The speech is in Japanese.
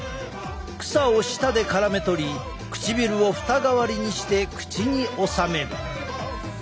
草を舌でからめとり唇を蓋代わりにして口におさめる。